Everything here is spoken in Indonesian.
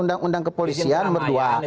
undang undang kepolisian berdua